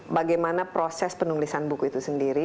bagaimana proses penulisan buku itu sendiri